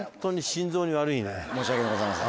申し訳ございません。